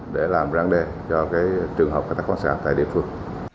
để làm rạn đề cho trường hợp khai thác quán xạ tại địa phương